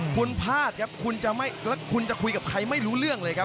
คุณพลาดครับคุณจะคุยกับใครไม่รู้เรื่องเลยครับ